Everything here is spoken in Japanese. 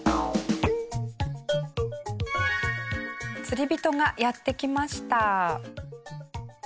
釣り人がやって来ました。